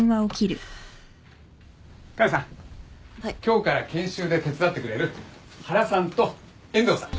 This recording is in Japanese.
今日から研修で手伝ってくれる原さんと遠藤さん。